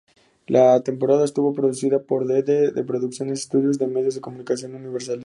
La temporada estuvo producida por Deedle-Dee Producciones, Estudios de Medios de comunicación Universales.